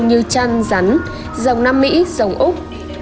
như chăn rắn dòng nam mỹ dòng úc